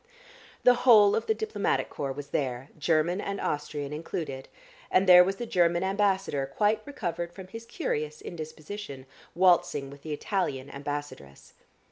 The whole of the diplomatic corps was there, German and Austrian included, and there was the German ambassador, quite recovered from his curious indisposition, waltzing with the Italian ambassadress.